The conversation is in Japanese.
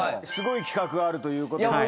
すごい企画があるということ。